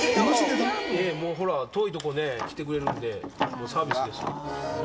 もうほら、遠い所来てくれるんで、サービスです。